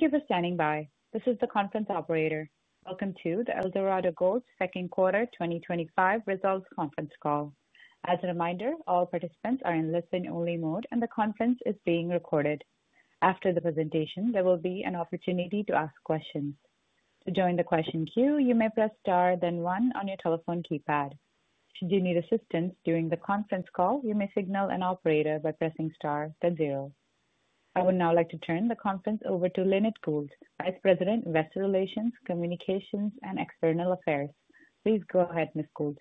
Thank you for standing by. This is the conference operator. Welcome to the Eldorado Gold second quarter 2025 results conference call. As a reminder, all participants are in listen-only mode and the conference is being recorded. After the presentation, there will be an opportunity to ask questions. To join the question queue, you may press star then one on your telephone keypad. Should you need assistance during the conference call, you may signal an operator by pressing star then zero. I would now like to turn the conference over to Lynette Gould, Vice President, Investor Relations, Communications and External Affairs. Please go ahead, Ms. Gould.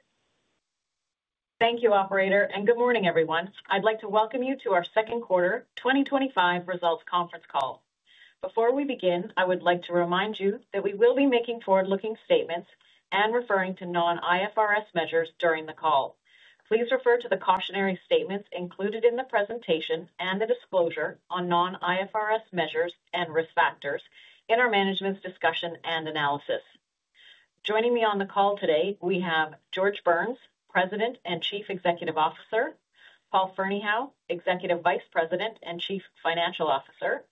Thank you, operator, and good morning everyone. I'd like to welcome you to our second quarter 2025 results conference call. Before we begin, I would like to remind you that we will be making forward-looking statements and referring to non-IFRS measures during the call. Please refer to the cautionary statements included in the presentation and the disclosure on non-IFRS measures and risk factors in our management's discussion and analysis. Joining me on the call today we have George Burns, President and Chief Executive Officer, Paul Ferneyhough, Chief Financial Officer,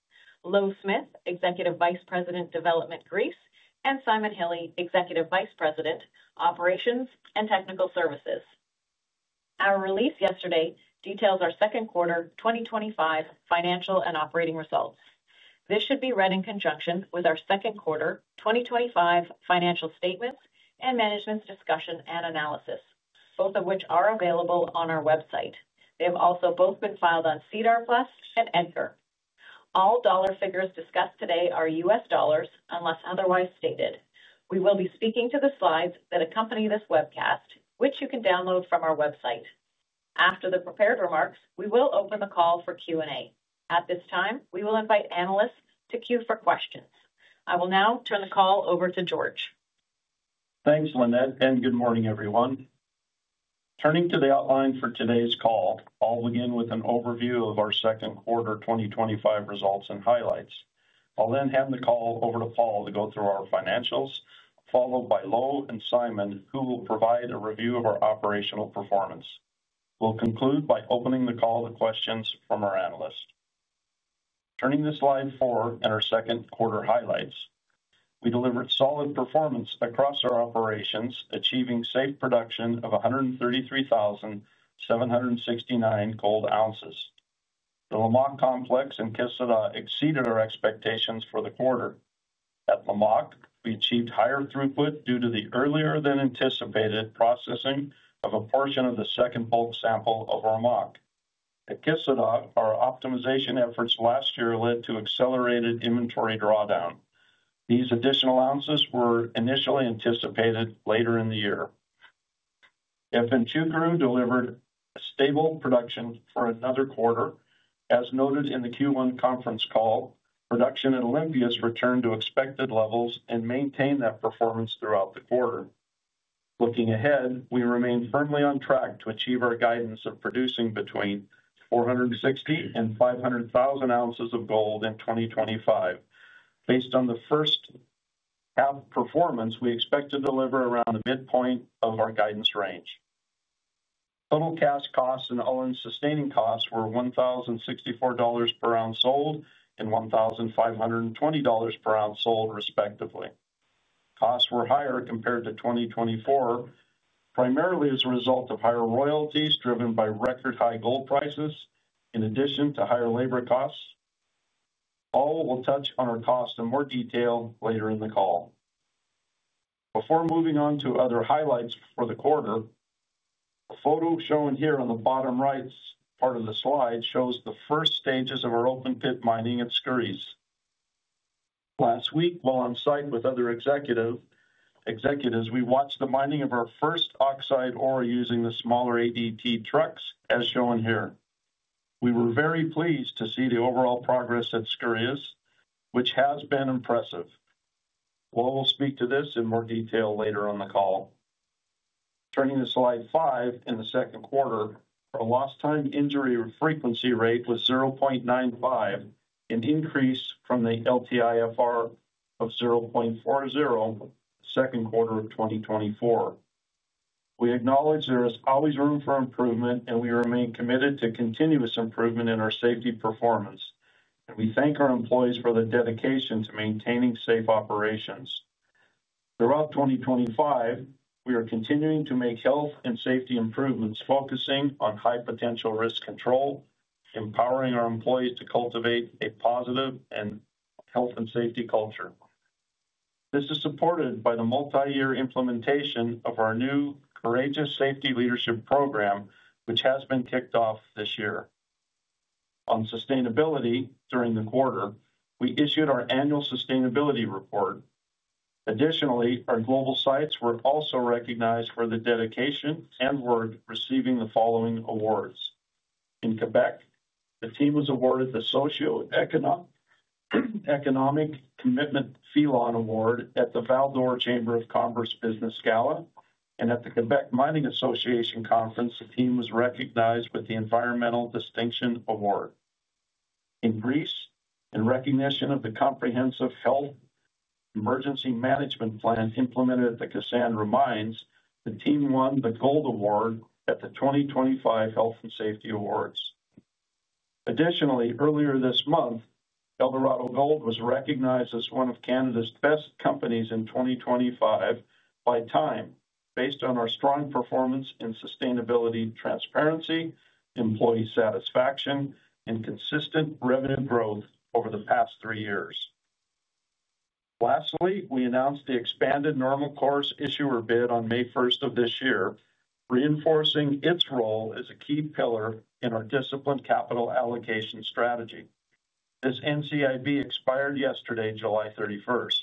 Louw Smith, Executive Vice President, Development Greece, and Simon Hille, Executive Vice President, Operations and Technical Services. Our release yesterday details our second quarter 2025 financial and operating results. This should be read in conjunction with our second quarter 2025 financial statements and management's discussion and analysis, both of which are available on our website. They have also both been filed on SEDAR+ and EDGAR. All dollar figures discussed today are US Dollars unless otherwise stated. We will be speaking to the slides that accompany this webcast, which you can download from our website. After the prepared remarks, we will open the call for Q&A. At this time, we will invite analysts to queue for questions. I will now turn the call over to George. Thanks, Lynette, and good morning everyone. Turning to the outline for today's call, I'll begin with an overview of our second quarter 2025 results and highlights. I'll then hand the call over to Paul to go through our financials, followed by Louw and Simon who will provide a review of our operational performance. We'll conclude by opening the call to questions from our analysts. Turning to slide four and our second quarter highlights. We delivered solid performance across our operations, achieving safe production of 133,769 gold ounces. The Lamaque complex and Kisladag exceeded our expectations for the quarter. At Lamaque, we achieved higher throughput due to the earlier than anticipated processing of a portion of the second bulk sample of Lamaque. At Kisladag our optimization efforts last year led to accelerated inventory drawdown. These additional ounces were initially anticipated later in the year. Efemcukuru delivered stable production for another quarter. As noted in the Q1 conference call, production at Olympias returned to expected levels and maintained that performance throughout the quarter. Looking ahead, we remain firmly on track to achieve our guidance of producing between 460,000 and 500,000 ounces of gold in 2025. Based on the first half performance, we expect to deliver around the midpoint of our guidance range. Total cash costs and all-in sustaining costs were $1,064 per ounce sold and $1,520 per ounce sold, respectively. Costs were higher compared to 2024, primarily as a result of higher royalties driven by record high gold prices in addition to higher labor costs. Paul will touch on our costs in more detail later in the call before moving on to other highlights for the quarter. A photo shown here on the bottom right part of the slide shows the first stages of our open pit mining at Skouries. Last week, while on site with other executives, we watched the mining of our first oxide ore using the smaller ADT trucks as shown here. We were very pleased to see the overall progress at Skouries, which has been impressive. Louw will speak to this in more detail later on the call. Turning to slide five, in the second quarter, our lost time injury frequency rate was 0.95, an increase from the LTIFR of 0.40 in the second quarter of 2024. We acknowledge there is always room for improvement and we remain committed to continuous improvement in our safety performance and we thank our employees for the dedication to maintaining safe operations throughout 2025. We are continuing to make health and safety improvements, focusing on high potential risk control, empowering our employees to cultivate a positive and health and safety culture. This is supported by the multi-year implementation of our new Courageous Safety Leadership Program, which has been kicked off this year on sustainability. During the quarter, we issued our annual Sustainability Report. Additionally, our global sites were also recognized for their dedication and were receiving the following awards. In Quebec, the team was awarded the Socioeconomic Economic Commitment Felon Award at the Val-d'Or Chamber of Commerce Business Gala and at the Quebec Mining Association Conference. The team was recognized with the Environmental Distinction Award in Greece in recognition of the Comprehensive Health Emergency Management Plan implemented at the Cassandra Mines. The team won the Gold Award at the 2025 Health and Safety Awards. Additionally, earlier this month, Eldorado Gold was recognized as one of Canada's best companies in 2025 by Time based on our strong performance in sustainability, transparency, employee satisfaction, and consistent revenue growth over the past three years. Lastly, we announced the expanded normal course issuer bid on May 1st of this year, reinforcing its role as a key pillar in our disciplined capital allocation strategy. This NCIB expired yesterday, July 31st.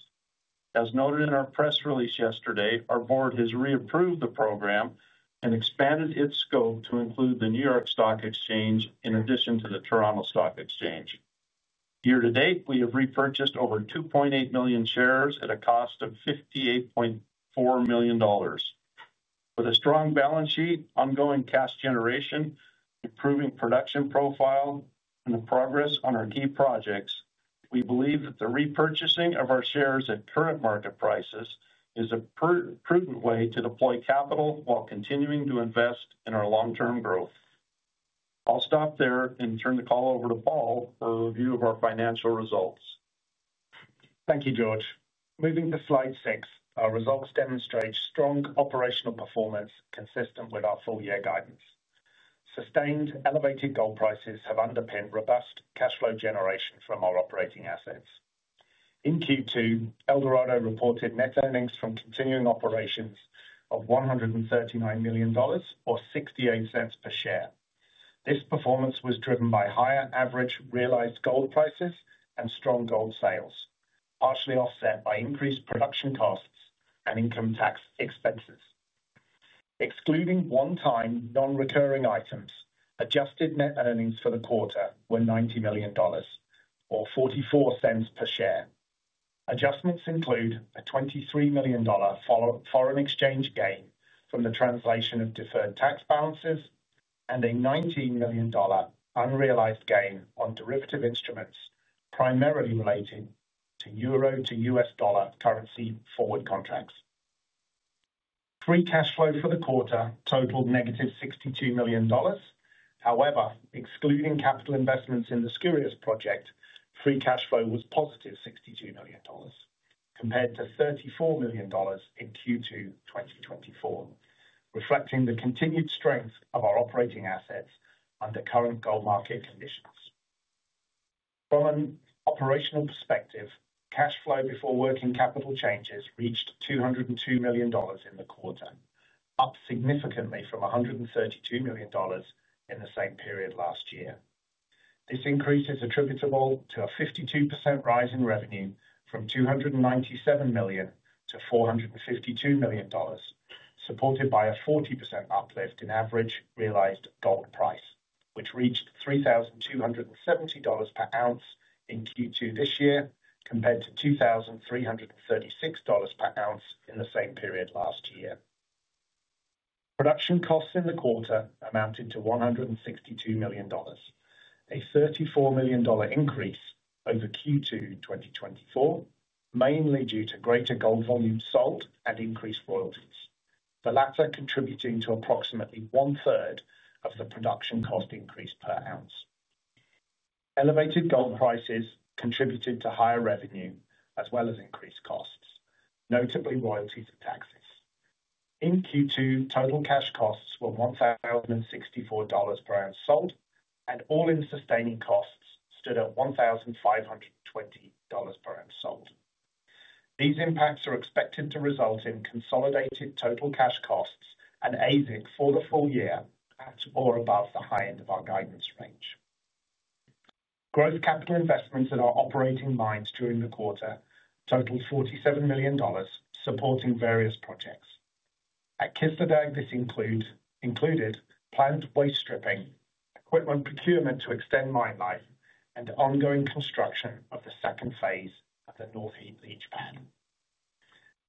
As noted in our press release yesterday, our board has reapproved the program and expanded its scope to include the New York Stock Exchange in addition to the Toronto Stock Exchange. Year-to-date, we have repurchased over 2.8 million shares at a cost of $58.4 million. With a strong balance sheet, ongoing cash generation, improving production profile, and the progress on our key projects, we believe that the repurchasing of our shares at current market prices is a prudent way to deploy capital while continuing to invest in our long-term growth. I'll stop there and turn the call over to Paul for a review of our financial results. Thank you, George. Moving to slide six, our results demonstrate strong operational performance consistent with our full year guidance. Sustained elevated gold prices have underpinned robust cash flow generation from our operating assets in Q2. Eldorado Gold reported net earnings from continuing operations of $139 million or $0.68 per share. This performance was driven by higher average realized gold prices and strong gold sales, partially offset by increased production costs and income tax expenses. Excluding one-time non-recurring items, adjusted net earnings for the quarter were $90 million or $0.44 per share. Adjustments include a $23 million foreign exchange gain from the translation of deferred tax balances and a $19 million unrealized gain on derivative instruments, primarily related to euro to US dollar currency forward contracts. Free cash flow for the quarter totaled -$62 million. However, excluding capital investments in the Skouries project, free cash flow was +$62 million compared to $34 million in Q2 2024, reflecting the continued strength of our operating assets under current gold market conditions. From an operational perspective, cash flow before working capital changes reached $202 million in the quarter, up significantly from $132 million. In the same period last year. This increase is attributable to a 52% rise in revenue from $297 million to $452 million, supported by a 40% uplift in average realized gold price, which reached $3,270 per ounce in Q2 this year compared to $2,336 per ounce in the same period last year. Production costs in the quarter amounted to $162 million, a $34 million increase over Q2 2024, mainly due to greater gold volume sold and increased royalties, the latter contributing to approximately 1/3 of the production cost increase per ounce. Elevated gold prices contributed to higher revenue as well as increased costs, notably royalties and taxes. In Q2, total cash costs were $1,064 per ounce sold and all-in sustaining costs stood at $1,520 per ounce sold. These impacts are expected to result in consolidated total cash costs and all-in sustaining costs for the full year at or above the high end of our guidance range. Growth capital investments in our operating mines during the quarter totaled $47 million, supporting various projects. At Kisladag, this includes planned waste stripping, equipment procurement to extend mine life, and ongoing construction of the second phase of the north heap leach pad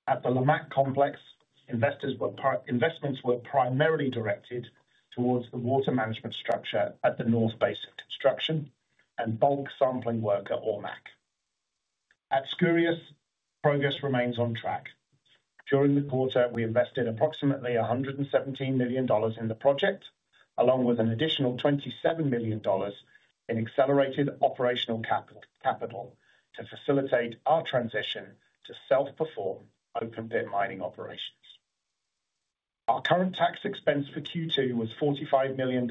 at the Lamaque complex. Investments were primarily directed towards the water management structure at the North Basin, construction and bulk sampling work at Ormac at Skouries. Progress remains on track. During the quarter, we invested approximately $117 million in the project along with an additional $27 million in accelerated operational capital to facilitate our transition to self-perform. Open pit mining operations. Our current tax expense for Q2 was $45 million,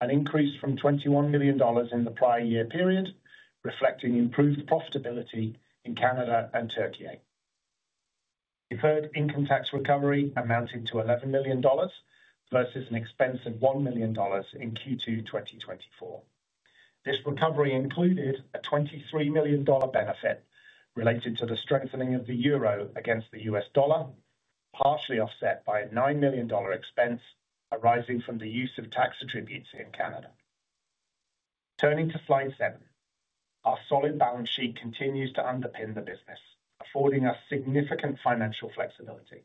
an increase from $21 million in the prior year period, reflecting improved profitability in Canada and Türkiye. Deferred income tax recovery amounted to $11 million versus an expense of $1 million in Q2 2024. This recovery included a $23 million benefit related to the strengthening of the euro against the US dollar, partially offset by a $9 million expense arising from the use of tax. Turning to slide seven, our solid balance sheet continues to underpin the business, affording us significant financial flexibility.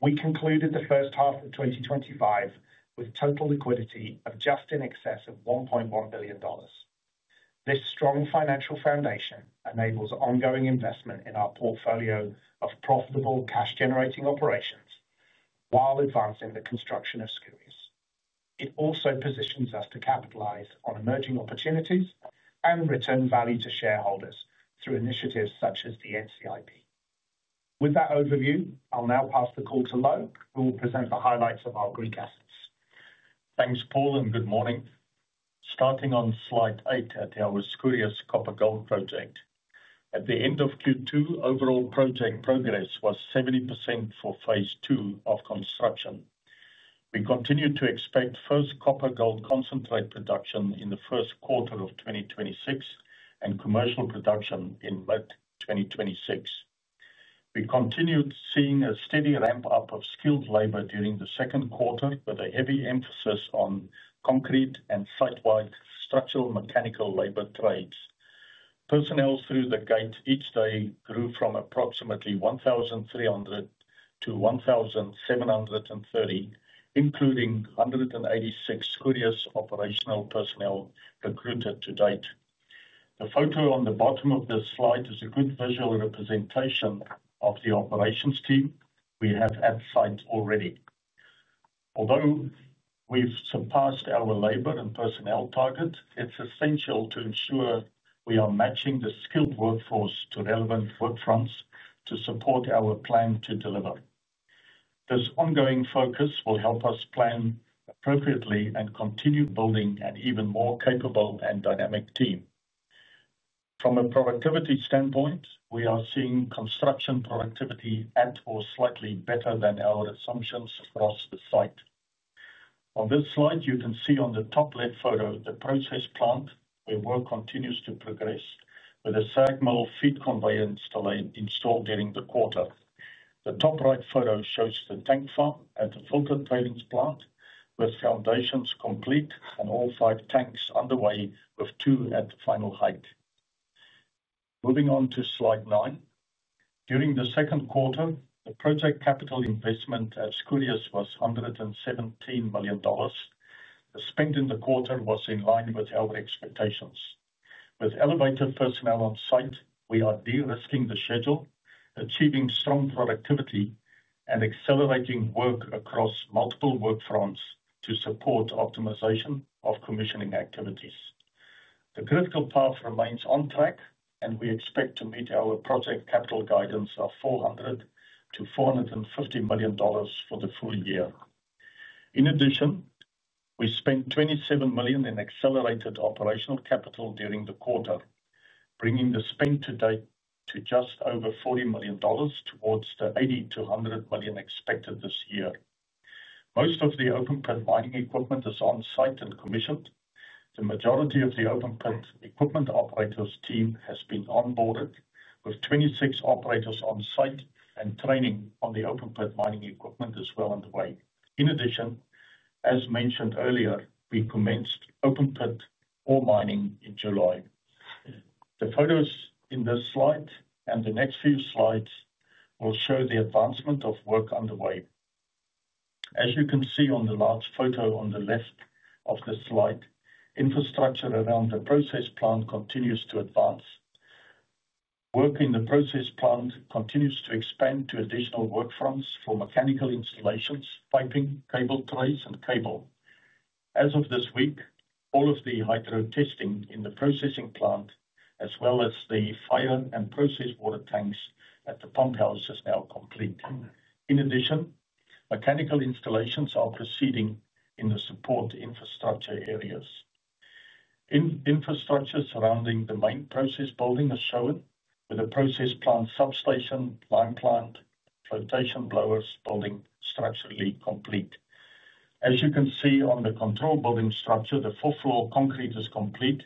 We concluded the first half of 2025 with total liquidity of just in excess of $1.1 billion. This strong financial foundation enables ongoing investment in our portfolio of profitable cash-generating operations while advancing the construction of Skouries. It also positions us to capitalize on emerging opportunities and return value to shareholders. Through initiatives such as the NCIB. With that overview, I'll now pass the call to Louw, who will present the highlights of our Greek assets. Thanks Paul and good morning. Starting on slide eight at our Skouries copper gold project, at the end of Q2, overall project progress was 70% for phase two of construction. We continue to expect first copper gold concentrate production in the first quarter of 2026 and commercial production in mid-2026. We continued seeing a steady ramp up of skilled labor during the second quarter with a heavy emphasis on concrete and site-wide structural mechanical labor trades. Personnel through the gate each day grew from approximately 1,300 to 1,730, including 186 Skouries operational personnel recruited to date. The photo on the bottom of this slide is a good visual representation of the operations team we have at site already. Although we've surpassed our labor and personnel target, it's essential to ensure we are matching the skilled workforce to relevant workfronts to support our plan to deliver. This ongoing focus will help us plan appropriately and continue building an even more capable and dynamic team. From a productivity standpoint, we are seeing construction productivity at or slightly better than our assumptions across the site. On this slide, you can see on the top left photo the process plant where work continues to progress with a SAG mill feed conveyance installed during the quarter. The top right photo shows the tank farm at the filtered tailings plant with foundations complete and all five tanks underway, with two at the final height. Moving on to slide nine. During the second quarter, the project capital investment at Skouries was $117 million. The spend in the quarter was in line with our expectations. With elevated personnel on site, we are de-risking the schedule, achieving strong productivity, and accelerating work across multiple workfronts to support optimization of commissioning activities. The critical path remains on track and we expect to meet our project capital guidance of $400 million-$450 million for the full year. In addition, we spent $27 million in accelerated operational capital during the quarter, bringing the spend to date to just over $40 million towards the $80 million-$100 million expected this year. Most of the open pit mining equipment is on site and commissioned. The majority of the open pit equipment operators team has been onboarded, with 26 operators on site, and training on the open pit mining equipment is well underway. In addition, as mentioned earlier, we commenced open pit ore mining in July. The photos in this slide and the next few slides will show the advancement of work underway. As you can see on the large photo on the left of the slide, infrastructure around the process plant continues to advance. Work in the process plant continues to expand to additional workfronts for mechanical installations, piping, cable trays, and cable. As of this week, all of the hydro testing in the processing plant as well as the fire and process water tanks at the pump house is now complete. In addition, mechanical installations are proceeding in the support infrastructure areas. Infrastructure surrounding the main process building are shown with a process plant substation, lime plant, and flotation blowers building structurally complete. As you can see on the control building structure, the fourth floor concrete is complete,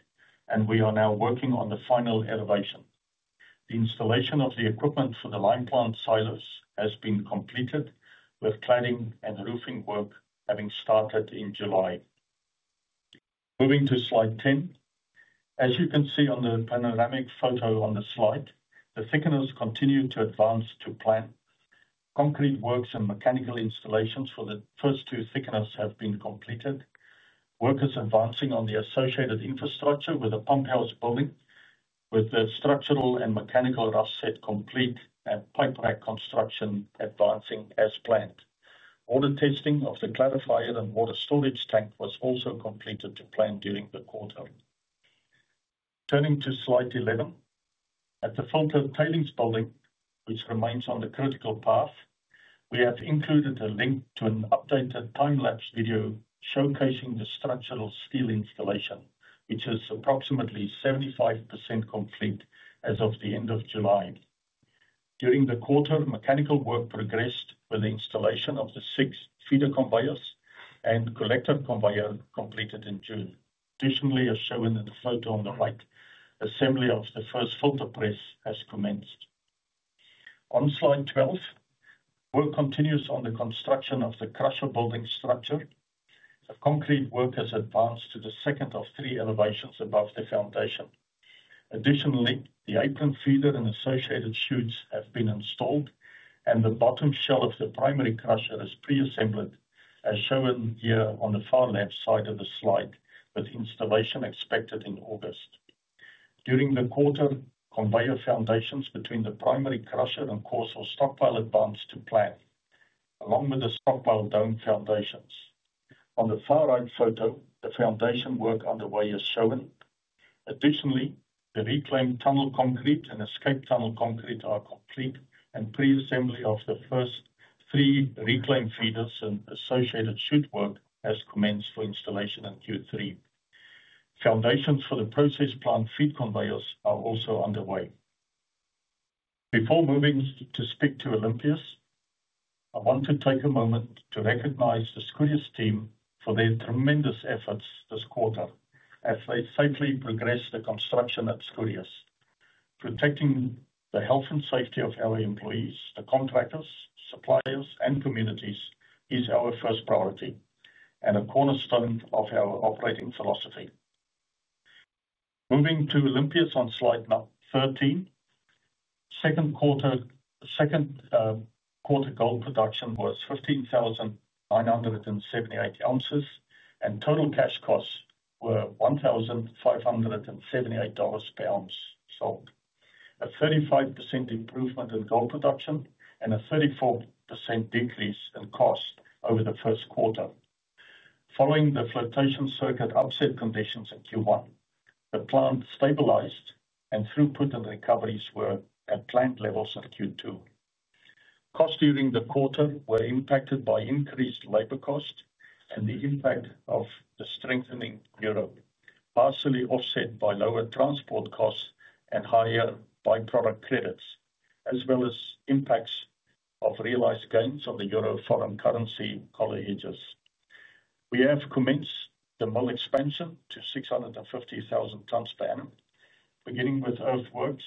and we are now working on the final elevation. The installation of the equipment for the lime plant silos has been completed with cladding and roofing work having started in July. Moving to slide 10. As you can see on the panoramic photo on the slide, the thickeners continue to advance to plan. Concrete works and mechanical installations for the first two thickeners have been completed. Workers are advancing on the associated infrastructure with a pump house building with the structural and mechanical rough set complete and pipe rack construction advancing as planned. Water testing of the clarifier and water storage tank was also completed to plan during the quarter. Turning to slide 11 at the filter tailings building, which remains on the critical path. We have included a link to an updated time lapse video showcasing the structural steel installation, which is approximately 75% complete as of the end of July. During the quarter, mechanical work progressed with the installation of the six feeder conveyors and collector conveyor completed in June. Additionally, as shown in the photo on the right, assembly of the first filter press has commenced. On slide 12, work continues on the construction of the crusher building structure. The concrete work has advanced to the second of three elevations above the foundation. Additionally, the apron feeder and associated chutes have been installed, and the bottom shell of the primary crusher is pre-assembled as shown here on the far left side of the slide with installation expected in August. During the quarter, conveyor foundations between the primary crusher and coarse ore stockpile advanced to plan along with the stockpile dome foundations. On the far right photo, the foundation work underway is shown. Additionally, the reclaim tunnel concrete and escape tunnel concrete are complete and pre-assembly of the first three reclaim feeders and associated chute work has commenced for installation in Q3. Foundations for the process plant feed conveyors are also underway. Before moving to speak to Olympias, I want to take a moment to recognize the Skouries team for their tremendous efforts this quarter as they safely progress the construction at Skouries. Protecting the health and safety of our employees, the contractors, suppliers, and communities is our first priority and a cornerstone of our operating philosophy. Moving to Olympias on Slide 13, second quarter gold production was 15,978 ounces and total cash costs were $1,578 per ounce sold. A 35% improvement in gold production and a 34% decrease in cost over the first quarter. Following the flotation circuit upset conditions in Q1, the plant stabilized and throughput and recoveries were at planned levels in Q2. Costs during the quarter were impacted by increased labor cost and the impact of the strengthening euro, partially offset by lower transport costs and higher byproduct credits as well as impacts of realized gains on the euro foreign currency collar hedges. We have commenced the mill expansion to 650,000 tons per annum beginning with earthworks.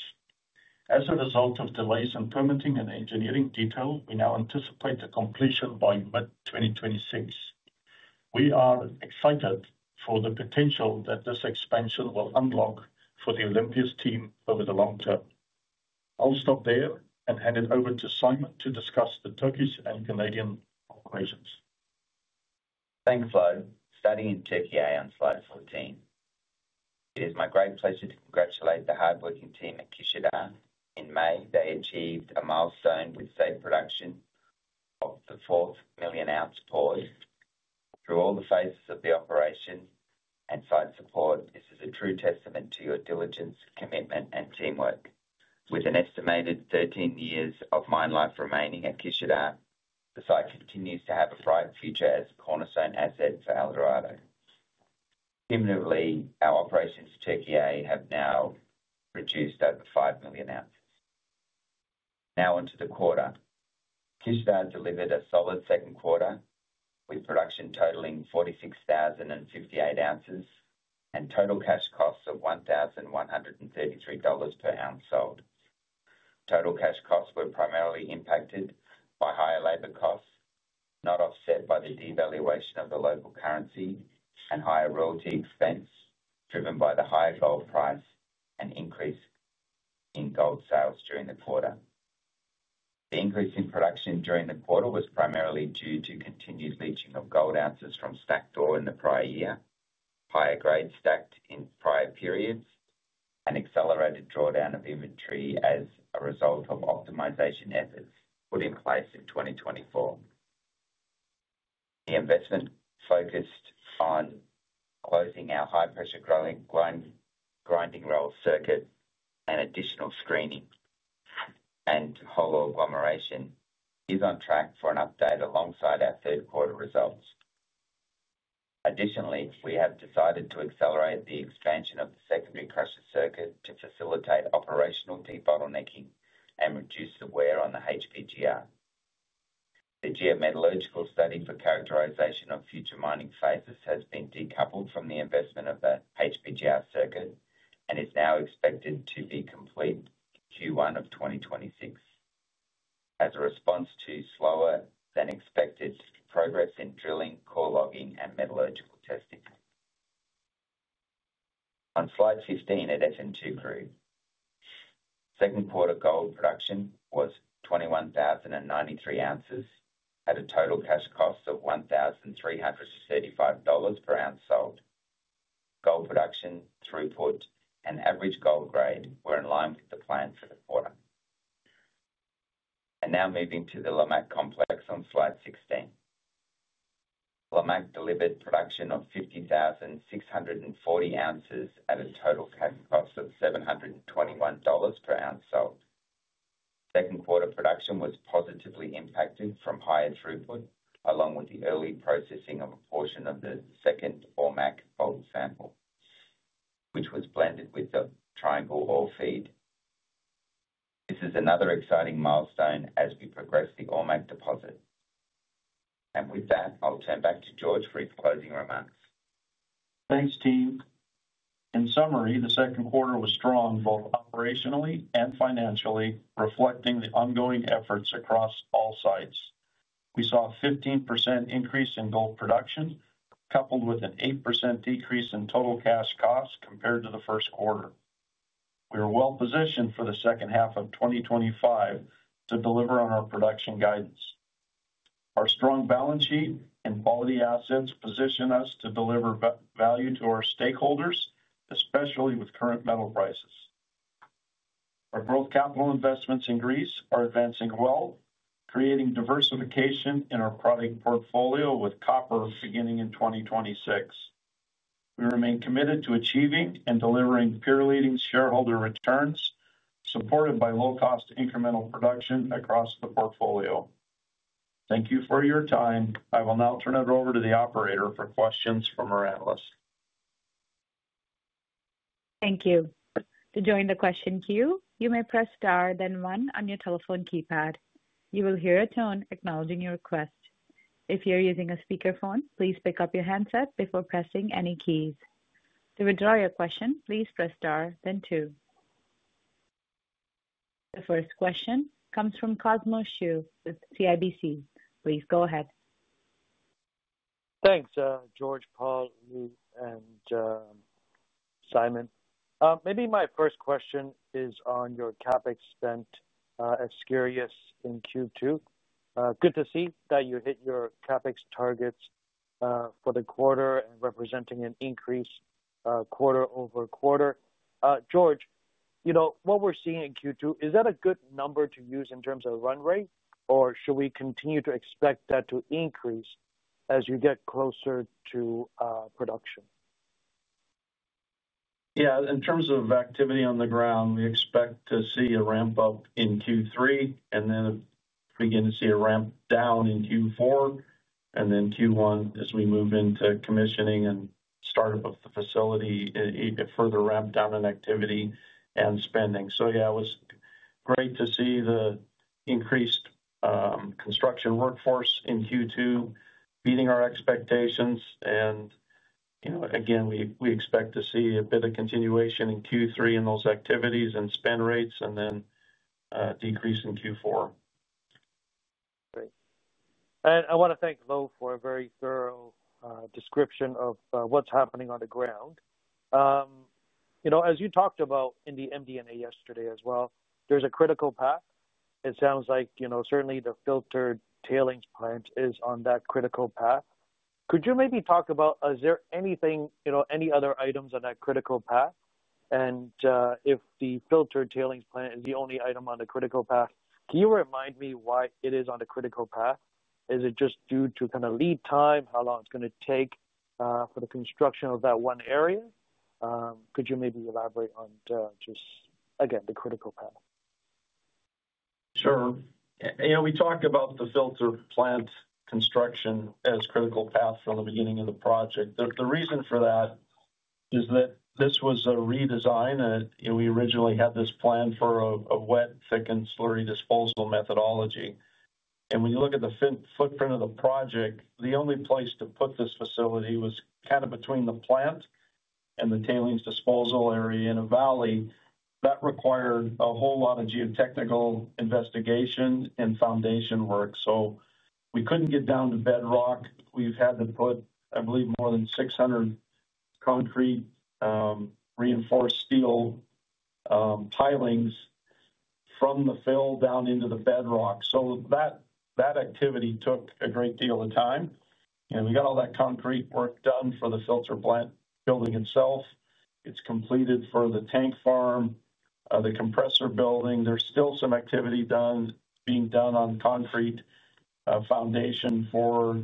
As a result of delays in permitting and engineering detail, we now anticipate the completion by mid-2026. We are excited for the potential that this expansion will unlock for the Olympias team over the long term. I'll stop there and hand it over to Simon to discuss the Turkish and Canadian operations. Thanks, Louw. Starting in Turkey, on slide 14, it is my great pleasure to congratulate the hard-working team at Kisladag. In May, they achieved a milestone with safe production of the fourth million ounce poured through all the phases of the operation and site support. This is a true testament to your diligence, commitment, and teamwork. With an estimated 13 years of mine life remaining at Kisladag, the site continues to have a bright future as a cornerstone asset for Eldorado Gold. Cumulatively, our operations in Turkey have now produced over 5 million ounces. Now onto the quarter, Kisladag delivered a solid second quarter with production totaling 46,058 ounces and total cash costs of $1,133 per ounce sold. Total cash costs were primarily impacted by higher labor costs not offset by the devaluation of the local currency and higher royalty expense driven by the higher gold price and increase in gold sales during the quarter. The increase in production during the quarter was primarily due to continued leaching of gold ounces from stacked ore in the prior year, higher grade stacked in prior periods, and accelerated drawdown of inventory as a result of optimization efforts put in place in 2020. The investment focused on closing our high pressure grinding roll circuit and additional screening and agglomeration is on track for an update alongside our third quarter results. Additionally, we have decided to accelerate the expansion of the secondary crusher circuit to facilitate operational debottlenecking and reduce the wear on the HPGR. The geometallurgical study for characterization of future mining phases has been decoupled from the investment of the HPGR circuit and is now expected to be complete Q1 of 2026 as a response to slower than expected progress in drilling, core logging, and metallurgical testing. On slide 15, at Efemcukuru, second quarter gold production was 21,093 ounces at a total cash cost of $1,335 per ounce sold. Gold production, throughput, and average gold grade were in line with the plan for the quarter. Now moving to the Lamaque complex on slide 16. Lamaque delivered production of 50,640 ounces at a total cash cost of $721 per ounce sold. Second quarter production was positively impacted from higher throughput along with the early processing of a portion of the second Ormaque bulk sample, which was blended with the Triangle ore feed. This is another exciting milestone as we progress the Ormaque deposit, and with that, I'll turn back to George for his closing remarks. Thanks team. In summary, the second quarter was strong both operationally and financially, reflecting the ongoing efforts across all sites. We saw a 15% increase in gold production coupled with an 8% decrease in total cash costs compared to the first quarter. We are well positioned for the second half of 2025 to deliver on our production guidance. Our strong balance sheet and quality assets position us to deliver value to our stakeholders, especially with current metal prices. Our growth capital investments in Greece are advancing well, creating diversification in our product portfolio with copper beginning in 2026. We remain committed to achieving and delivering peer leading shareholder returns supported by low cost incremental production across the portfolio. Thank you for your time. I will now turn it over to the operator for questions from our analysts. Thank you. To join the question queue, you may press star then one on your telephone keypad. You will hear a tone acknowledging your request. If you are using a speakerphone, please pick up your handset before pressing any keys. To withdraw your question, please press star then two. The first question comes from Cosmos Shu with CIBC. Please go ahead. Thanks George, Paul, Louw and Simon, maybe my first question is on your CapEx spend, as curious in Q2. Good to see that you hit your CapEx targets for the quarter and representing an increase quarter-over-quarter. George, you know what we're seeing in Q2, is that a good number to use in terms of run rate or should we continue to expect that to increase as you get closer to production? Yeah, in terms of activity on the ground, we expect to see a ramp up in Q3 and then begin to see a ramp down in Q4 and then Q1 as we move into commissioning and startup of the facility, further ramp down in activity and spending. It was great to see the increased construction workforce in Q2 beating our expectations and, you know, again we expect to see a bit of continuation in Q3 in those activities and spend rates and then decrease in Q4. Great. I want to thank Louw for a very thorough description of what's happening on the ground. As you talked about in the MD&A yesterday as well, there's a critical path. It sounds like certainly the filtered tailings plant is on that critical path. Could you maybe talk about, is there anything, any other items on that critical path? If the filtered tailings plant is the only item on the critical path, can you remind me why it is on the critical path? Is it just due to kind of lead time, how long it's going to take for the construction of that one area? Could you maybe elaborate on just again, the critical path? Sure. You know, we talk about the filter plant construction as critical path from the beginning of the project. The reason for that is that this was a redesign. We originally had this plan for a wet, thickened slurry disposal methodology. When you look at the footprint of the project, the only place to put this facility was kind of between the plant and the tailings disposal area in a valley. That required a whole lot of geotechnical investigation and foundation work. We couldn't get down to bedrock. We've had to put, I believe, more than 600 concrete reinforced steel pilings from the fill down into the bedrock. That activity took a great deal of time. We got all that concrete work done for the filter plant building itself. It's completed. For the tank farm, the compressor building, there's still some activity being done on concrete foundation for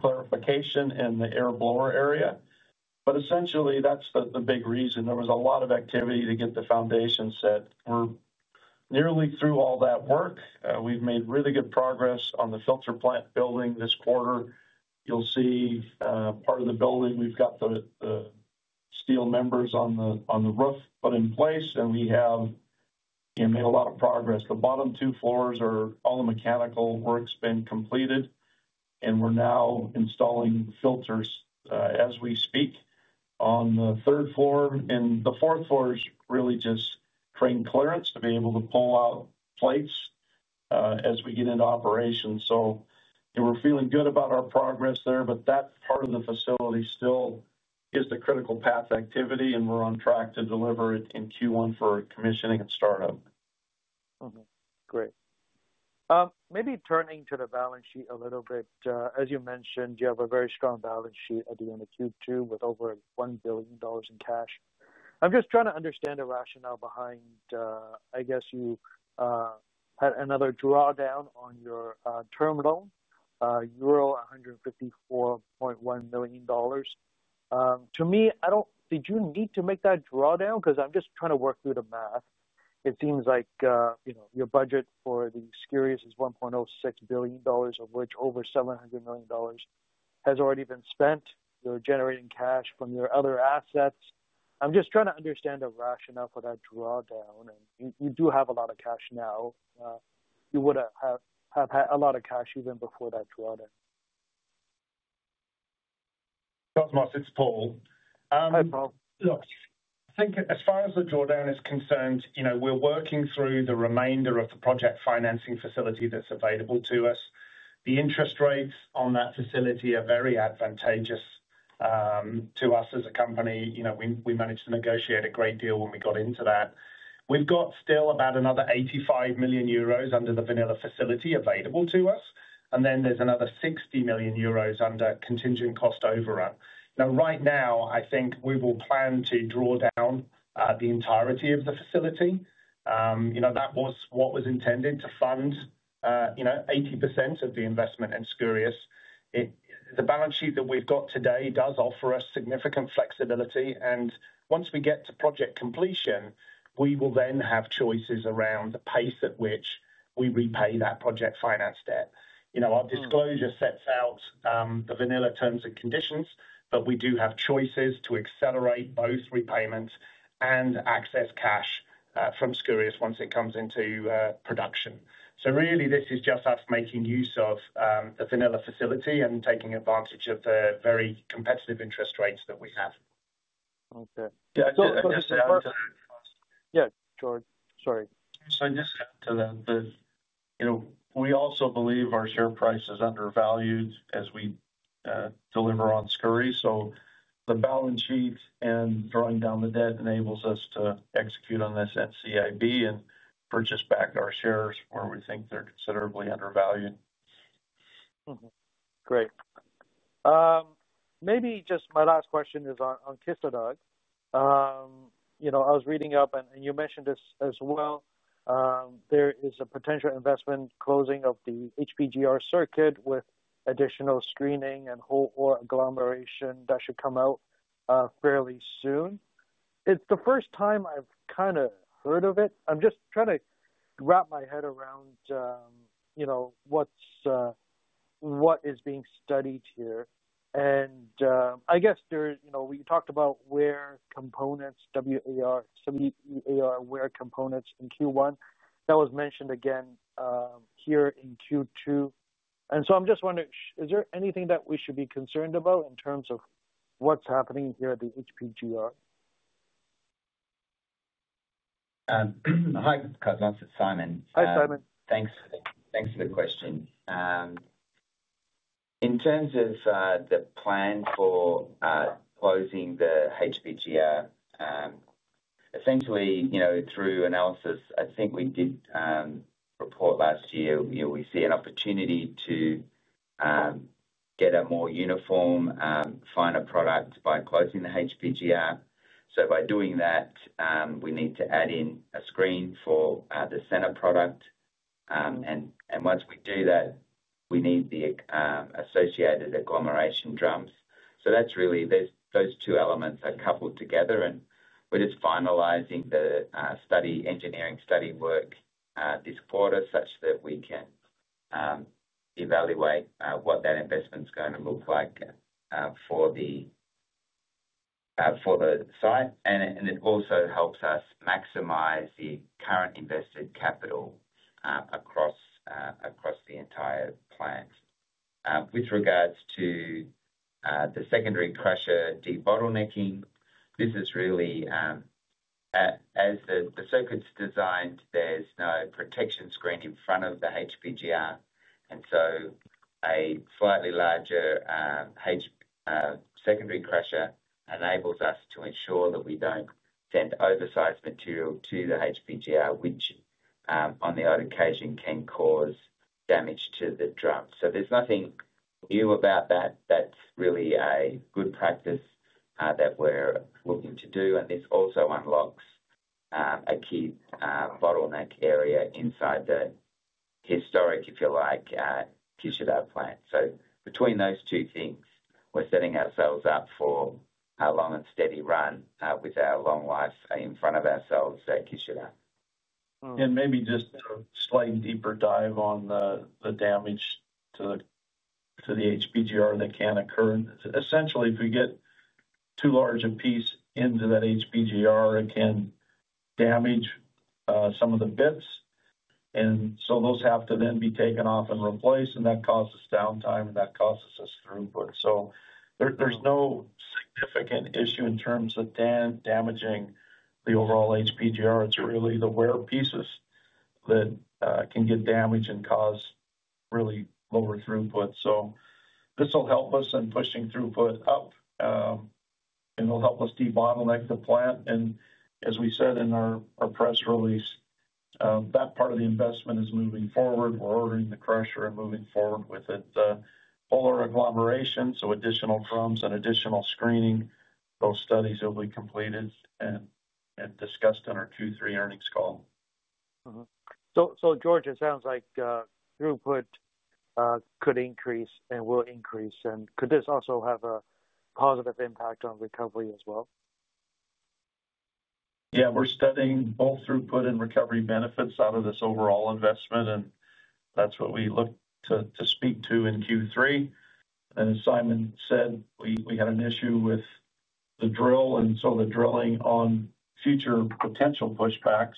clarification in the air blower area. Essentially, that's the big reason there was a lot of activity to get the foundation set. We're nearly through all that work. We've made really good progress on the filter plant building this quarter. You'll see part of the building. We've got the steel members on the roof put in place, and we have made a lot of progress. The bottom two floors are all the mechanical work's been completed, and we're now installing filters as we speak on the third floor. The fourth floor is really just crane clearance to be able to pull out plates as we get into operation. We're feeling good about our progress there. That part of the facility still is the critical path activity, and we're on track to deliver it in Q1 for commissioning and startup. Great. Maybe turning to the balance sheet a little bit. As you mentioned, you have a very strong balance sheet at the end of Q2 with over $1 billion in cash. I'm just trying to understand the rationale behind. I guess you had another drawdown on your term loan, $54.1 million, to me did you need to make that drawdown? I'm just trying to work through the math. It seems like your budget for the Skouries project is $1.06 billion, of which over $700 million has already been spent. You're generating cash from your other assets. I'm just trying to understand the rationale for that drawdown. You do have a lot of cash now. You would have had a lot of cash even before that drawdown. Cosmos, it's Paul. Look, I think as far as the. drawdown is concerned, you know, we're working through the remainder of the project financing facility that's available to us. The interest rates on that facility are very advantageous to us as a company. You know, we managed to negotiate a great deal when we got into that. We've got still about another 85 million euros under the vanilla facility available to us. There's another 60 million euros under contingent cost overrun. Right now, I think we will plan to draw down the entirety of the facility; that was what was intended to fund 80% of the investment in Skouries. The balance sheet that we've got today does offer us significant flexibility. Once we get to project completion, we will then have choices around the pace at which we repay that project finance debt. Our disclosure sets out the vanilla terms and conditions, but we do have choices to accelerate both repayments and access cash from Skouries once it comes into production. This is just us making use of the vanilla facility and taking advantage of the very competitive interest rates that we have. Okay. Yeah, George, sorry. I just add to that that, you know, we also believe our share price is undervalued as we deliver on Skouries. The balance sheet and drawing down the debt enables us to execute on this NCIB and purchase back our shares where we think they're considerably undervalued. Great. Maybe just my last question is on Kisladag. You know, I was reading up and you mentioned this as well. There is a potential investment closing of the HPGR circuit with additional screening and whole ore agglomeration. That should come out fairly soon. It's the first time I've kind of heard of it. I'm just trying to wrap my head around, you know, what is being studied here. I guess there, you know, we talked about wear components in Q1. That was mentioned again here in Q2. I'm just wondering, is there anything that we should be concerned about in terms of what's happening here at the HPGR? Hi, Cosmos, Simon. Hi, Simon. Thanks for the question. In terms of the plan for closing the HPGR, essentially, you know, through analysis, I think we did report last year, we see an opportunity to get a more uniform, finer product by closing the HPGR. By doing that, we need to add in a screen for the center product. Once we do that, we need the associated agglomeration drums. Those two elements are coupled together and we're just finalizing the study, engineering study work this quarter such that we can evaluate what that investment's going to look like for the site. It also helps us maximize the current invested capital across the entire plant. With regards to the secondary crusher debottlenecking, this is really as the circuit's designed, there's no protection screen in front of the HPGR. A slightly larger secondary crusher enables us to ensure that we don't send oversized material to the HPGR, which on the odd occasion can cause damage to the drum. There's nothing new about that. That's really a good practice that we're looking to do. This also unlocks a key bottleneck area inside the historic, if you like, Kisladag plant. Between those two things, we're setting ourselves up for a long and steady run with our long life in front. Of ourselves at Kisladag And maybe just a slight deeper dive on the damage to the HPGR that can occur, essentially, if we get too large a piece into that HPGR, it can damage some of the bits, and those have to then be taken off and replaced, and that causes downtime and that causes us throughput. There's no significant issue in terms of damaging the overall HPGR. It's really the wear pieces that can get damaged and cause really lower throughput. This will help us in pushing throughput up and it'll help us debottleneck the plant. As we said in our press release, that part of the investment is moving forward. We're ordering the crusher and moving forward with it. Polar agglomeration, so additional drums and additional screening. Those studies will be completed and discussed on our Q3 earnings call. George, it sounds like throughput could increase and will increase. Could this also have a positive impact on recovery as well? Yeah, we're studying both throughput and recovery benefits out of this overall investment, and that's what we look to speak to in Q3. As Simon said, we had an issue with the drill and so the drilling on future potential pushbacks,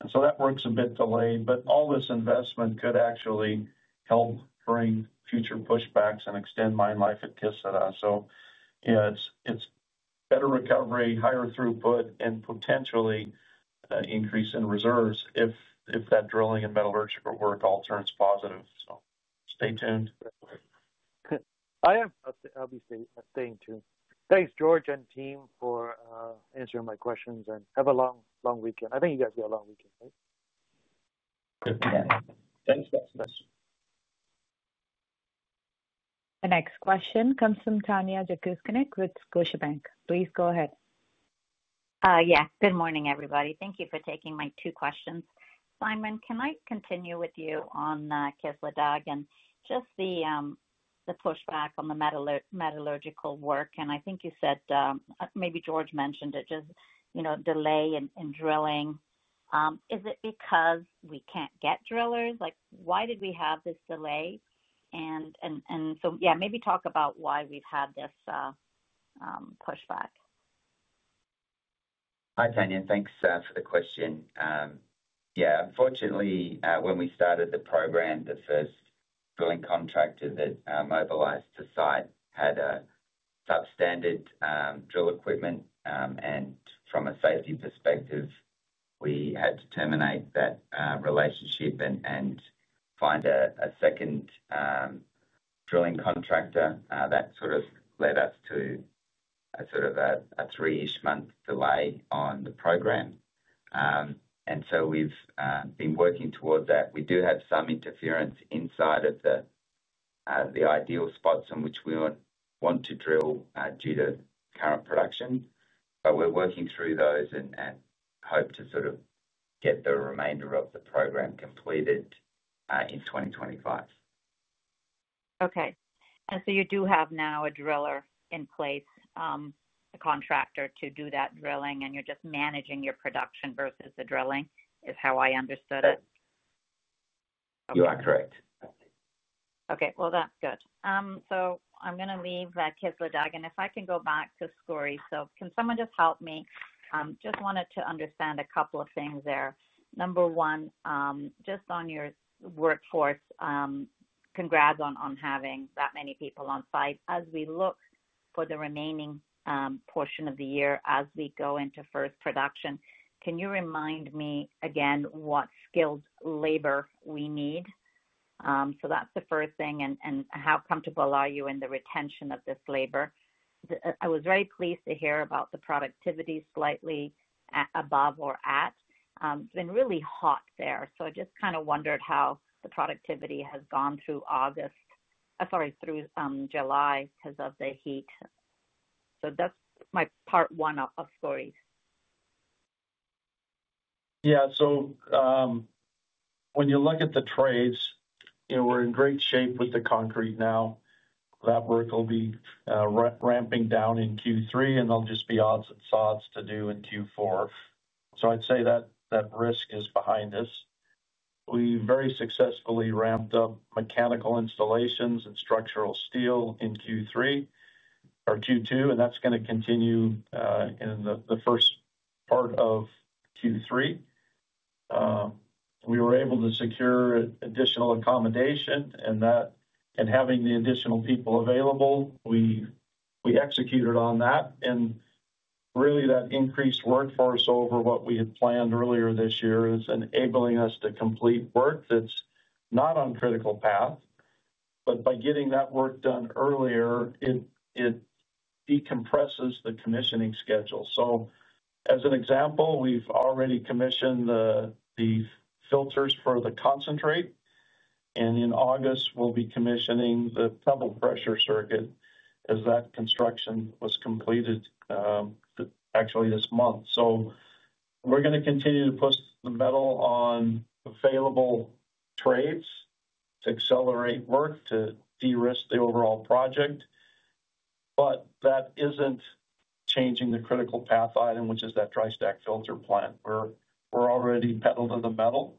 and that work's a bit delayed, but all this investment could actually help bring future pushbacks and extend mine life at Kisladag. It's better recovery, higher throughput, and potentially increase in reserves if that drilling and metallurgical work all turns positive. Stay tuned. I am. I'll be staying tuned. Thanks, George, and team for answering my questions and have a long, long weekend. I think you guys got a long weekend. Thanks. The next question comes from Tanya Jakusconek with Scotiabank. Please go ahead. Good morning everybody. Thank you for taking my two questions. Simon, can I continue with you on Kisladag and just the pushback on the metallurgical work? I think you said, maybe George mentioned it, just delay in drilling. Is it because we can't get drillers? Why did we have this delay? Maybe talk about why we've had this pushback. Hi, Tanya, thanks for the question. Unfortunately, when we started the program, the first drilling contractor that mobilized to the site had substandard drill equipment. From a safety perspective, we had to terminate that relationship and find a second drilling contractor. That led us to a three ish month delay on the program. We do have some interference inside of the ideal spots on which we want to drill due to current production. We're working through those and hope to get the remainder of the program completed in 2025. Okay. You do have now a driller in place, a contractor to do that drilling, and you're just managing your production versus the drilling is how I understood it. You are correct. Okay, that's good. I'm going to leave Kisladag and if I can go back to Skouries. Can someone just help me? I just wanted to understand a couple of things there. Number one, just on your workforce, congrats on having that many people on site. As we look for the remaining portion of the year, as we go into first production, can you remind me again what skilled labor we need? That's the first thing. How comfortable are you in the retention of this labor? I was very pleased to hear about the productivity slightly above or at, it's been really hot there. I just kind of wondered how the productivity has gone through August, sorry, through July because of the heat. That's my part one of Skouries. Yeah. When you look at the trades, you know we're in great shape with the concrete now. That work will be ramping down in Q3, and there'll just be odds and sods to do in Q4. I'd say that risk is behind us. We very successfully ramped up mechanical installations and structural steel in Q3 or Q2, and that's going to continue. In the first part of Q3, we were able to secure additional accommodation, and having the additional people available, we executed on that. Really, that increased workforce over what we had planned earlier this year is enabling us to complete work that's not on critical path. By getting that work done earlier, it decompresses the commissioning schedule. As an example, we've already commissioned the filters for the concentrate, and in August we'll be commissioning the temple pressure circuit, as that construction was completed actually this month. We're going to continue to put the metal on available trades to accelerate work to de-risk the overall project. That isn't changing the critical path item, which is that dry stack filter plant. We're already pedal to the metal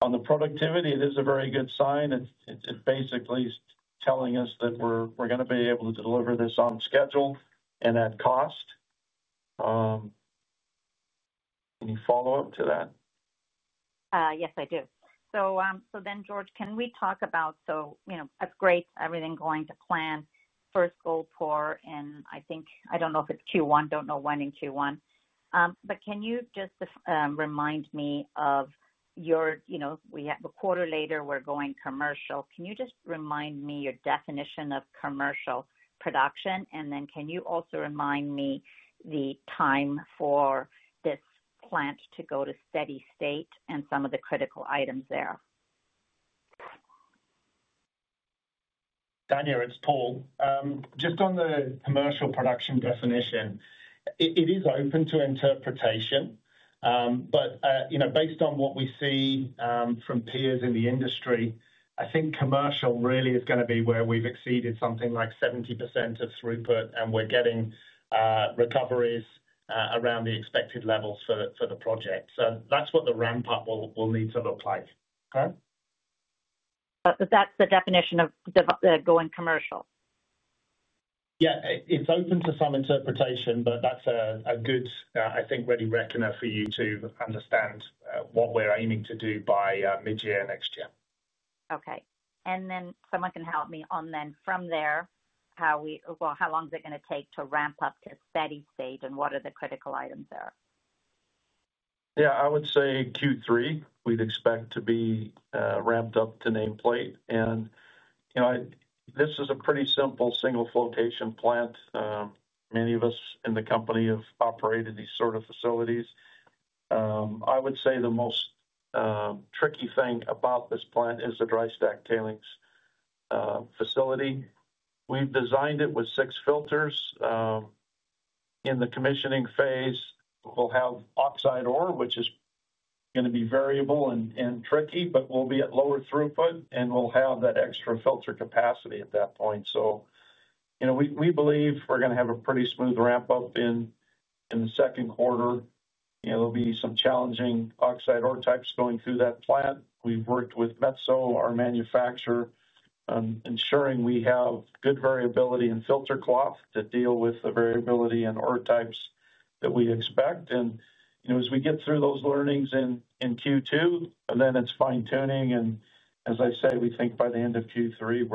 on the productivity. It is a very good sign. It basically is telling us that we're going to be able to deliver this on schedule and at cost. Any follow up to that? Yes, I do. George, can we talk about, you know, that's great, everything going to plan, first gold pour, and I think, I don't know if it's Q1, don't know when in Q1, but can you just remind me of your, you know, we have a quarter later, we're going commercial. Can you just remind me your definition of commercial production, and then can you also remind me the time for this plant to go to steady state and some of the critical items there. Tanya, it's Paul just on the commercial production definition, it is open to interpretation, but you know based on what we see from peers in the industry, I think commercial really is going to be where we've exceeded something like 70% of throughput and we're getting recoveries around the expected levels for the project. That's what the ramp up will need to look like. That's the definition of going commercial. Yeah, it's open to some interpretation, but that's a good, I think, ready reckoner for you to understand what we're aiming to do by mid year next year. Okay. Can someone help me on from there how we, how long is it going to take to ramp up to steady state, and what are the critical items there? Yeah, I would say Q3 we'd expect to be ramped up to nameplate. This is a pretty simple single flotation plant. Many of us in the company have operated these sort of facilities. I would say the most tricky thing about this plant is the dry stack tailings facility. We've designed it with six filters. In the commissioning phase, we'll have oxide ore, which is going to be variable and tricky, but will be at lower throughput and we'll have that extra filter capacity at that point. We believe we're going to have a pretty smooth ramp up in the second quarter. There'll be some challenging oxide ore types going through that plant. We've worked with Metso, our manufacturer, ensuring we have good variability in filter cloth to deal with the variability and ore types that we expect. As we get through those learnings in Q2, then it's fine tuning. As I say, we think by the end of Q3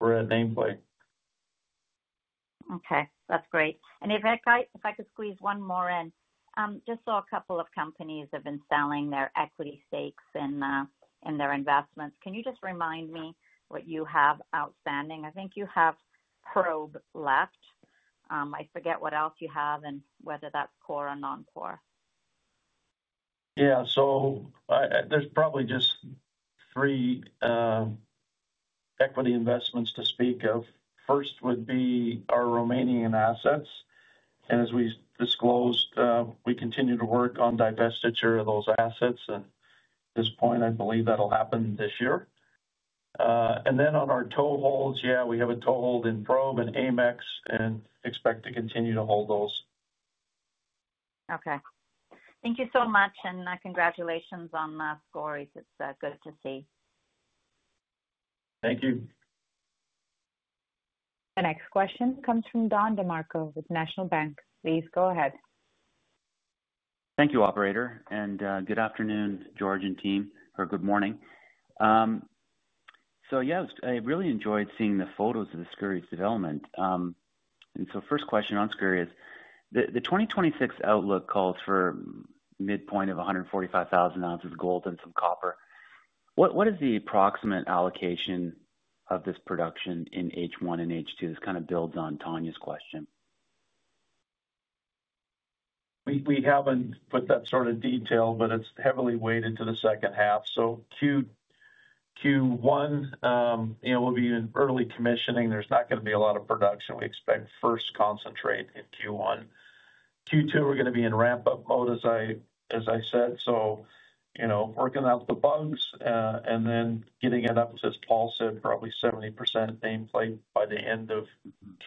we're at nameplate. Okay, that's great. If I could squeeze one more in, just saw a couple of companies have been selling their equity stakes in their investments. Can you just remind me what you have outstanding? I think you have Probe left. I forget what else you have and whether that's core or non-core. There are probably just three equity investments to speak of. First would be our Romanian assets. As we disclosed, we continue to work on divestiture of those assets, and at this point I believe that'll happen this year. On our toeholds, we have a toehold in Probe and Amex and expect to continue to hold those. Okay, thank you so much and congratulations on Skouries. It's good to see. Thank you. The next question comes from Don DeMarco with National Bank. Please go ahead. Thank you, operator, and good afternoon, George and team, or good morning. I really enjoyed seeing the photos of the Skouries development. First question on Skouries, the 2026 outlook calls for midpoint of 145,000 ounces gold and some copper. What is the approximate allocation of this production in H1 and H2? This kind of builds on Tanya's question. We haven't put that sort of detail, but it's heavily weighted to the second half. Q1 will be in early commissioning. There's not going to be a lot of production. We expect first concentrate in Q2. We're going to be in ramp-up mode, as I said, working out the bugs and then getting it up to, as Paul said, probably 70% nameplate by the end of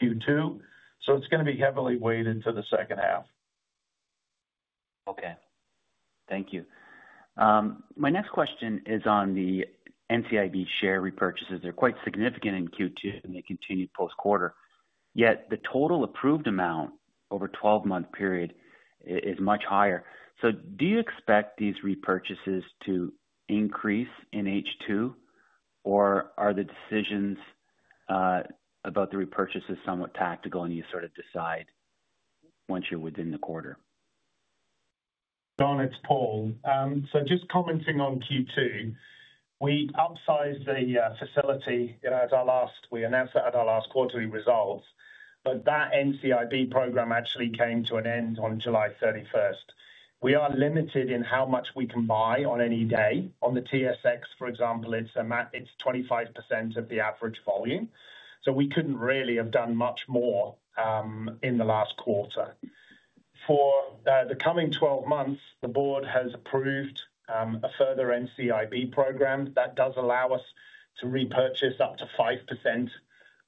Q2. It's going to be heavily weighted to the second half. Okay, thank you. My next question is on the NCIB share repurchases. They're quite significant in Q2 and they continue post quarter, yet the total approved amount over the 12-month period is much higher. Do you expect these repurchases to increase in H2, or are the decisions about the repurchases somewhat tactical and you sort of decide once you're within the quarter? Don, it's Paul. Just commenting on Q2, we upsized the facility. We announced that at our last quarterly results. That NCIB program actually came to an end on July 31st. We are limited in how much we can buy on any day. On the TSX, for example, it's 25% of the average volume. We couldn't really have done much more in the last quarter for the coming 12 months. The board has approved a further NCIB program that does allow us to repurchase up to 5%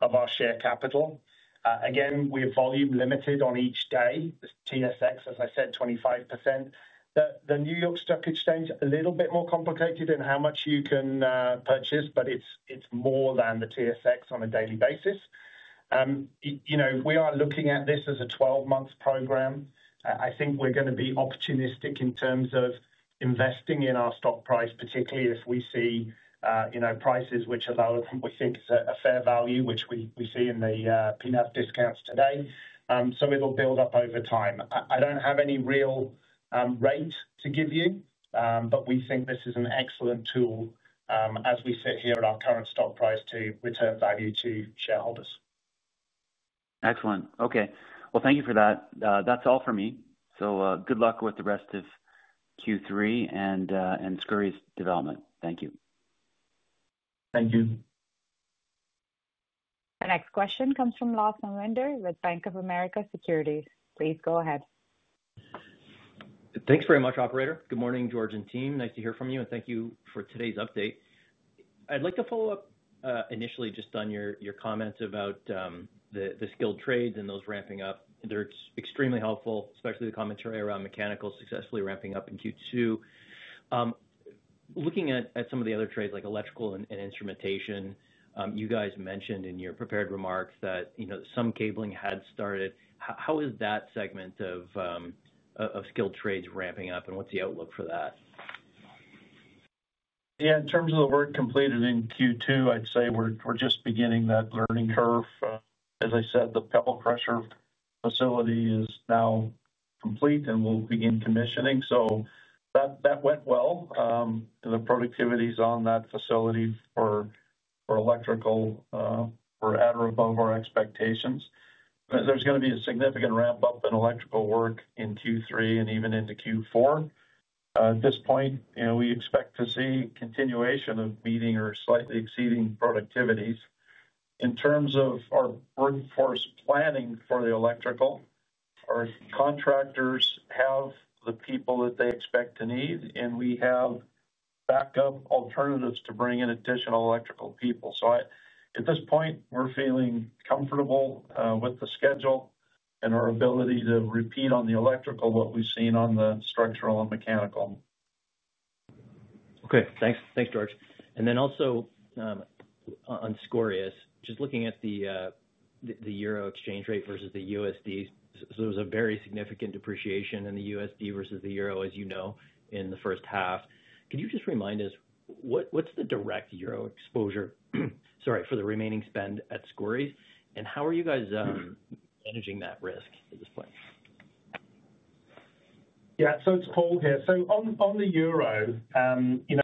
of our share capital. Again, we have volume limited on each day. TSX, as I said, 25%. The New York Stock Exchange is a little bit more complicated in how much you can purchase, but it's more than the TSX on a daily basis. We are looking at this as a 12-month program. I think we're going to be opportunistic in terms of investing in our stock price, particularly if we see prices which allow, we think it's a fair value which we see in the [peanuts] discounts today. It'll build up over time. I don't have any real rate to give you, but we think this is an excellent tool as we sit here at our current stock price to return value to shareholders. Excellent. Okay, thank you for that. That's all for me. Good luck with the rest of Q3 and Skouries development. Thank you. Thank you. Our next question comes from Lawson Winder with Bank of America Securities. Please go ahead. Thanks very much, Operator. Good morning, George and team. Nice to hear from you and thank you. For today's update, I'd like to follow up initially just on your comments about the skilled trades and those ramping up. They're extremely helpful, especially the commentary around mechanical successfully ramping up in Q2. Looking at some of the other trades like electrical and instrumentation, you guys mentioned in your prepared remarks that, you know, some cabling had started. How is that segment of skilled trades ramping up and what's the outlook for that? Yeah, in terms of the work completed in Q2, I'd say we're just beginning that learning curve. As I said, the pebble pressure facility is now complete and will begin commissioning. That went well. The productivities on that facility for electrical were at or above our expectations. There's going to be a significant ramp up in electrical work in Q3 and even into Q4. At this point, we expect to see continuation of meeting or slightly exceeding productivities in terms of our workforce planning for the electrical. Our contractors have the people that they expect to need, and we have backup alternatives to bring in additional electrical people. At this point, we're feeling comfortable with the schedule and our ability to repeat on the electrical what we've seen on the structural and mechanical. Okay, thanks George. Also on Skouries, just looking at the euro exchange rate versus the USD, there was a very significant depreciation in the USD versus the euro, as you know, in the first half. Could you just remind us what's the direct euro exposure for the remaining spend at Skouries, and how are you guys managing that risk at this point? Yes, it's Paul here. On the euro,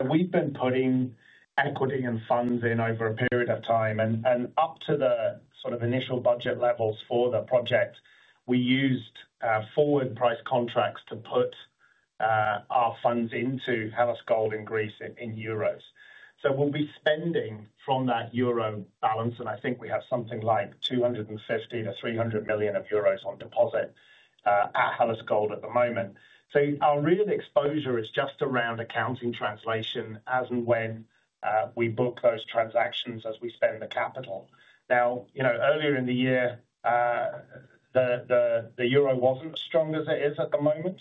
we've been putting equity and funds in over a period of time and up to the initial budget levels for the project. We used forward price contracts to put our funds into Hellas Gold in Greece in euros. We'll be spending from that euro balance, and I think we have something like 250 million- 300 million euros on deposit at Hellas Gold at the moment. Our real exposure is just around accounting translation as and when we book those transactions as we spend the capital. Earlier in the year, the euro wasn't as strong as it. Is at the moment.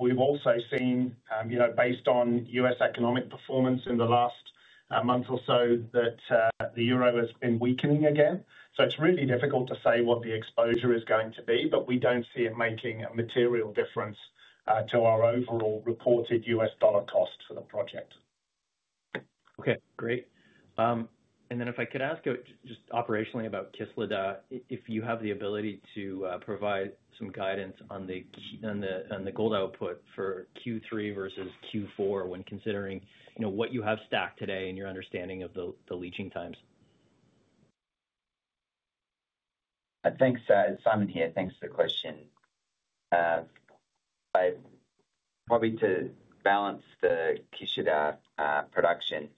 We've also seen, you know, based on U.S. economic performance in the last month or so, that the euro has been weakening again. It's really difficult to say what the exposure is going to be, but we don't see it making a material difference to our overall reported US dollar. Cost for the project. Okay, great. If I could ask just operationally about Kisladag, if you have the ability to provide some guidance on the gold output for Q3 versus Q4 when considering what you have stacked and your understanding of the leaching times. Thanks, Simon here. Thanks for the question. Probably to balance the Kisladag production,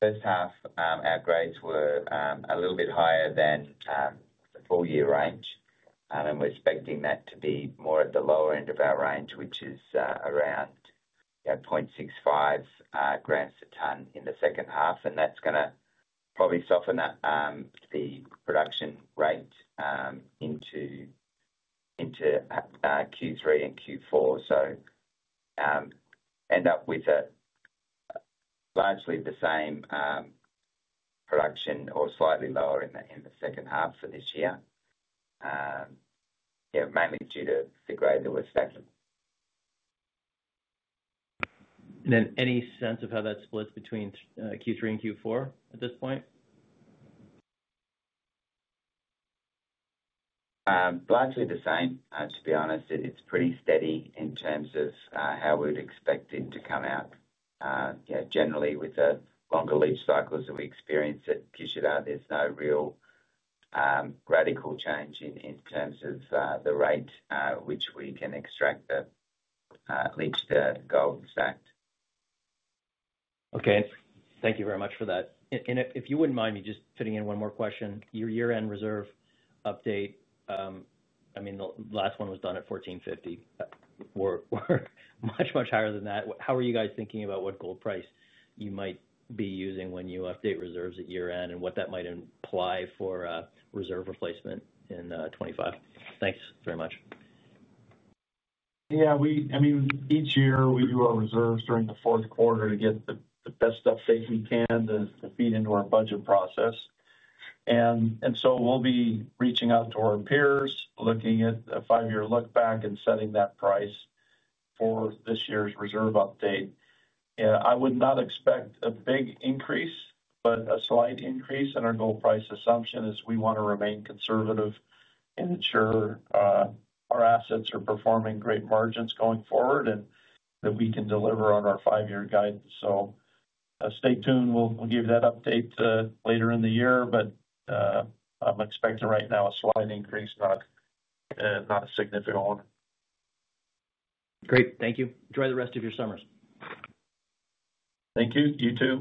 first half our grades were a little bit higher than the full year range, and we're expecting that to be more at the lower end of our range, which is around 0.65 grams per tonne in the second half, and that's going to probably soften up the production rate into Q3 and Q4. End up with largely the same production or slightly lower in the second half for this year, mainly due to the grade that was vacuum. Then. Any sense of how that splits between Q3 and Q4 at this point? Largely the same? To be honest, it's pretty steady in terms of how we'd expect it to come out. Generally, with the longer leach cycles that we experience at Kisladag, there's no real radical change in terms of the rate at which we can extract leach the gold stacked. Okay, thank you very much for that. If you wouldn't mind me just fitting in one more question. Your year end reserve update, I mean the last one was done at $1,450. We're much, much higher than that. How are you guys thinking about what gold price you might be using when you update reserves at year end and what that might imply for reserve replacement in 2025? Thanks very much. Yeah, we. Each year we do our reserves during the fourth quarter to get the best update we can to feed into our budget process. We'll be reaching out to our peers, looking at a five year look back and setting that price. For this year's reserve update, I would not expect a big increase, but a slight increase in our gold price. Assumption is we want to remain conservative and ensure our assets are performing great margins going forward and that we can deliver on our five year guidance. Stay tuned. We'll give that update later in the year, but I'm expecting right now a slight increase, not a significant one. Great. Thank you. Enjoy the rest of your summers. Thank you. You too.